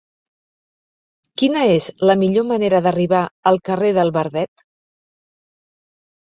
Quina és la millor manera d'arribar al carrer del Verdet?